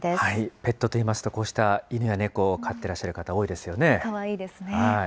ペットといいますと、こうした犬や猫を飼ってらっしゃる方、かわいいですね。